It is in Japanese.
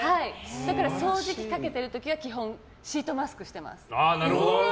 だから掃除機かけてる時は基本シートマスクしてます。